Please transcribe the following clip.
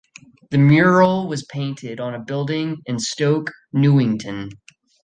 The mural was painted on a building in Stoke Newington.